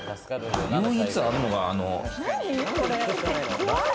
唯一あるのが○○。